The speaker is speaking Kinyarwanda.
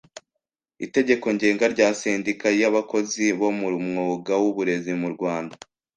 Itegeko Ngenga rya Sendika y Abakozi bo mu Mwuga w Uburezi mu Rwanda